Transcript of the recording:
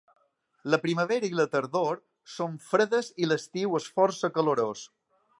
La primavera i la tardor són fredes i l'estiu és força calorós.